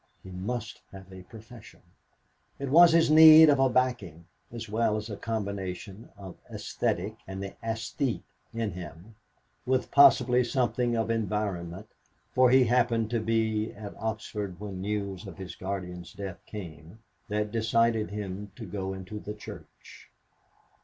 He must have a profession. It was his need of a backing, as well as a combination of æsthetic and the æsthete in him, with possibly something of environment for he happened to be at Oxford when news of his guardian's death came that decided him to go into the Church.